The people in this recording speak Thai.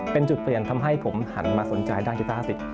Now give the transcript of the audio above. เป็นจุดเปลี่ยนทำให้ผมหันมาสนใจด้านกีตาร์คลาสสิก